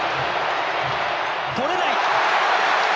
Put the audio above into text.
捕れない。